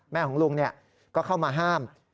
ของลุงก็เข้ามาห้าม